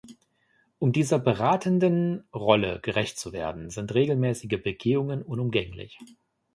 Um dieser beratenden Rolle gerecht zu werden, sind regelmäßige Begehungen unumgänglich.